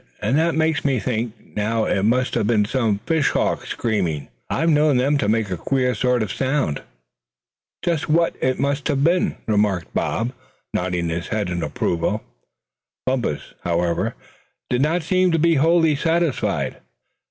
And that makes me think now it must have been some fishhawk screaming. I've known them to make a queer sort of a sound." "Just what it must have been," remarked Bob, nodding his head in approval. Bumpus, however, did not seem to be wholly satisfied.